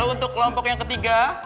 dan untuk kelompok yang ketiga